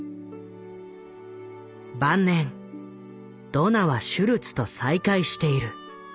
晩年ドナはシュルツと再会している。